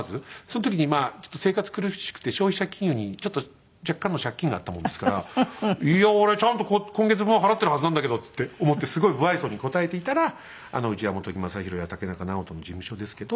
その時にちょっと生活苦しくて消費者金融にちょっと若干の借金があったものですからいや俺ちゃんと今月分払ってるはずなんだけどって思ってすごい無愛想に応えていたら「うちは本木雅弘や竹中直人の事務所ですけど」。